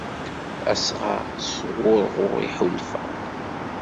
Asɣar s wurɣu iḥulfa.